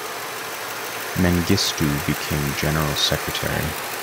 Mengistu became general secretary.